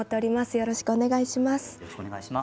よろしくお願いします。